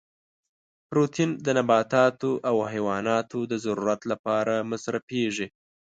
پروتین د نباتاتو او حیواناتو د ضرورت لپاره مصرفیږي.